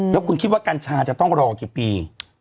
แล้วคุณคิดว่ากัญชาจะต้องรอกี่ปี